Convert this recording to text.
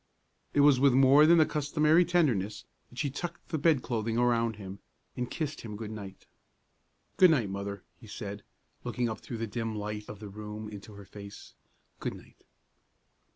It was with more than the customary tenderness that she tucked the bed clothing around him, and kissed him good night. "Good night, Mother!" he said, looking up through the dim light of the room into her face; "good night!"